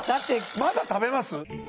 まだ食べます？